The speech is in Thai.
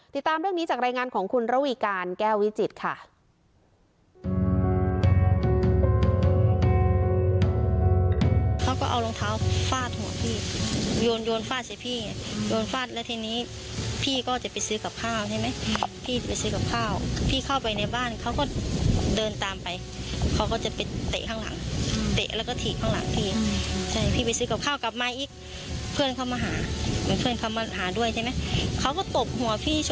ติดตามเรื่องนี้จากรายงานของคุณระวีการแก้ววิจิตรค่ะ